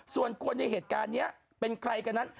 ส่วนคนในเหตุการณ์นี้เป็นใครกันนั้น